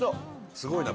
すごいな！